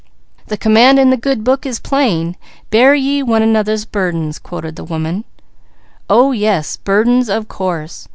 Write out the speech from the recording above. "The command in the good book is plain: 'Bear ye one another's burdens,'" quoted the woman. "Oh yes! 'Burdens,' of course!"